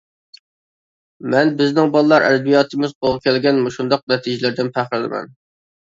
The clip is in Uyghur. مەن بىزنىڭ بالىلار ئەدەبىياتىمىز قولغا كەلگەن مۇشۇنداق نەتىجىلىرىدىن پەخىرلىنىمەن.